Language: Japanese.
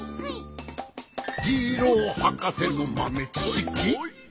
「ジローはかせのまめちしき」